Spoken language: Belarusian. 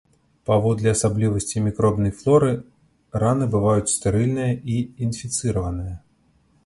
Паводле асаблівасцей мікробнай флоры раны бываюць стэрыльныя і інфіцыраваныя.